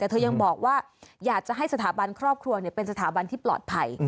แต่เธอยังบอกว่าอยากจะให้สถาบันครอบครัวเป็นสถาบันที่ปลอดภัย